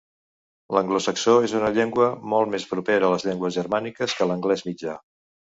L'anglosaxó és una llengua molt més propera a les llengües germàniques que l'anglès mitjà.